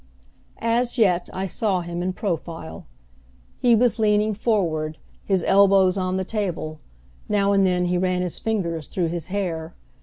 As yet I saw him in profile. He was leaning forward, his elbows on the table; now and then he ran his fingers through his hair.